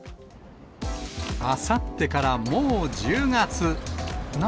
あさってからもう１０月。